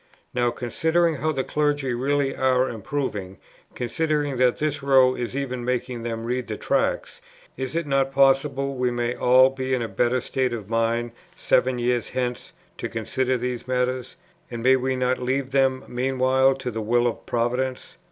Now, considering how the Clergy really are improving, considering that this row is even making them read the Tracts, is it not possible we may all be in a better state of mind seven years hence to consider these matters? and may we not leave them meanwhile to the will of Providence?